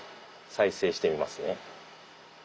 再生してみますね。